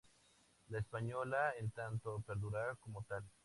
La Española, en tanto, perdura como tal.